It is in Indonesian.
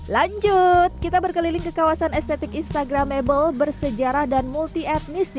lanjut kita berkeliling ke kawasan estetik instagramable bersejarah dan multi etnis di